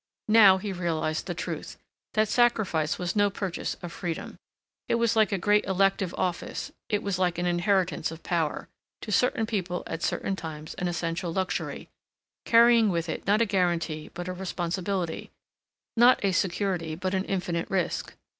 Now he realized the truth; that sacrifice was no purchase of freedom. It was like a great elective office, it was like an inheritance of power—to certain people at certain times an essential luxury, carrying with it not a guarantee but a responsibility, not a security but an infinite risk.